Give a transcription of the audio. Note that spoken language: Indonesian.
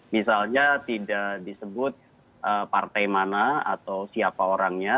misalnya tidak disebut partai mana atau siapa orangnya